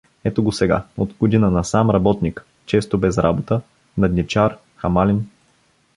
Ето го сега, от година насам работник, често без работа, надничар, хамалин.